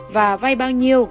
và vay bao nhiêu